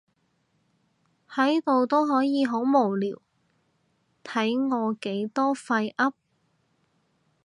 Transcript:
喺度都可以好無聊，睇我幾多廢噏